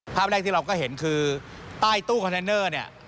ภาพแรกที่เราก็เห็นคือใต้ตู้คอนเทนเนอร์เนี่ย